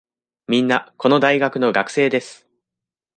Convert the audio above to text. みんな、この大学の学生です。